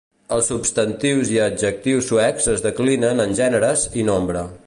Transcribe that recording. Els substantius i adjectius suecs es declinen en gèneres i nombre.